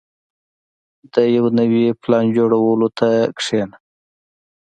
• د یو نوي پلان جوړولو ته کښېنه.